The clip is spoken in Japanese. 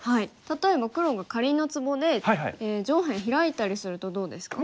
例えば黒がかりんのツボで上辺ヒラいたりするとどうですか？